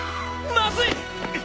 まずい！